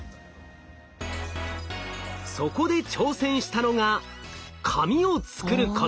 そこで挑戦したのが紙を作ること。